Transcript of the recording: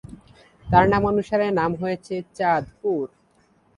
তার নামানুসারে নাম হয়েছে চাঁদপুর।